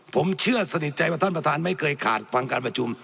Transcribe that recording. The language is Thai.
ผมเชื่อสนิทใจว่าท่านประธานไม่เคยขาดฟังการประชุม